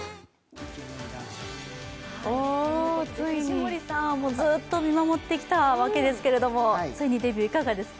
藤森さんもずっと見守ってきたわけですけれども、ついにデビュー、いかがですか？